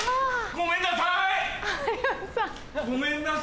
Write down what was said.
ごめんなさい。